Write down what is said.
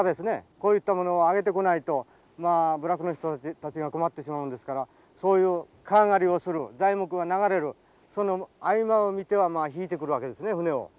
こういったものをあげてこないとまあ部落の人たちが困ってしまうんですからそういう川狩りをする材木が流れるその合間を見てはまあ引いてくるわけですね舟を。